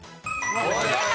正解！